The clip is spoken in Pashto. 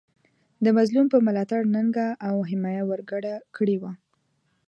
د مظلوم په ملاتړ ننګه او حمایه ورګډه کړې وه.